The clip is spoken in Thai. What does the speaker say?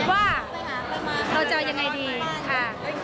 ว่าเราจะเอายังไงดีค่ะ